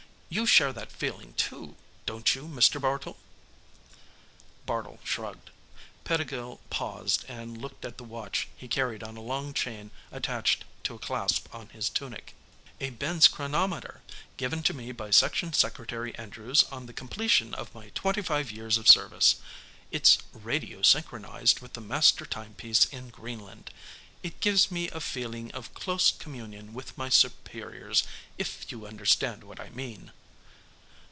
You share that feeling too, don't you Mr. Bartle?" Bartle shrugged. Pettigill paused and looked at the watch he carried on a long chain attached to a clasp on his tunic. "A Benz chronometer, given to me by Section Secretary Andrews on the completion of my twenty five years of service. It's radio synchronized with the master timepiece in Greenland. It gives me a feeling of close communion with my superiors, if you understand what I mean."